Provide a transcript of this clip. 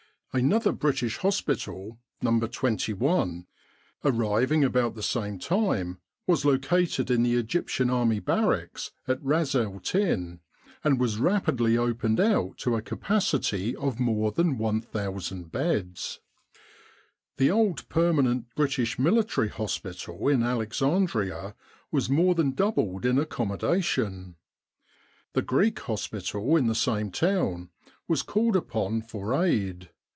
An other British Hospital, No. 21, arriving about the same time, was located in the Egyptian Army With the R.A.M.C. in Egypt Barracks at Ras el Tin, and was rapidly opened out to a capacity of more than 1,000 beds. The old permanent British Military Hospital in Alexandria was more than doubled in accommodation. The Greek Hospital in the same town was called upon for aid.